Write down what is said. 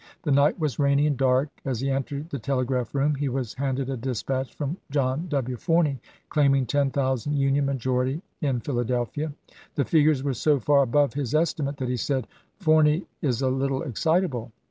The night was rainy and dark. As he entered the telegraph room he was handed a dispatch from John W. Forney claiming ms. 10,000 Union majority in Philadelphia. The figures were so far above his estimate that he said, "Forney is a little excitable."